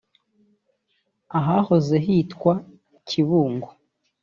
ahahoze hitwa Kibungo